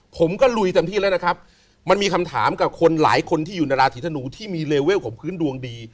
ผมก็ลุยเต็มที่แล้วครับ